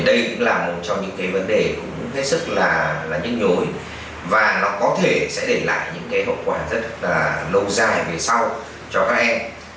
đây cũng là một trong những cái vấn đề cũng hết sức là nhức nhối và nó có thể sẽ để lại những cái hậu quả rất là lâu dài về sau cho các em